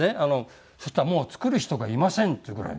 そしたらもう作る人がいませんっていうぐらい。